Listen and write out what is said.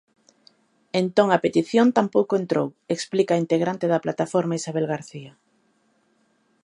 Entón a petición tampouco entrou, explica a integrante da plataforma Isabel García.